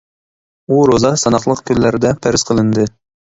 ئۇ روزا ساناقلىق كۈنلەردە پەرز قىلىندى.